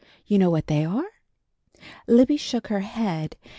You know what they are?" Libby shook her head.